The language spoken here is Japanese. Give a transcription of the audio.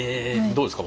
どうですか？